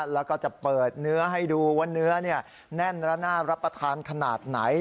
แล้วก็จะเปิดเนื้อให้ดูว่าเนื้อแน่นและน่ารับประทานขนาดไหน